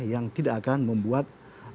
yang tidak akan membuat